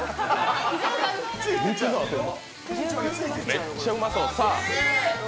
めっちゃうまそう。